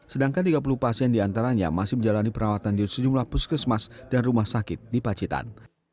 sedangkan tiga puluh pasien diantaranya masih menjalani perawatan di sejumlah puskesmas dan rumah sakit di pacitan